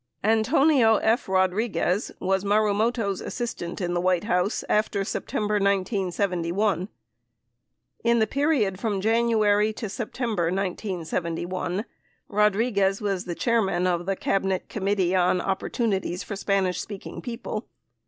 Antonio F. Rodriguez was Marumoto's assistant in the White House after September 1971. In the period from January to September 1971, Rodriguez was the Chairman of the Cabinet Committee on Opportuni ties for Spanish Speaking People.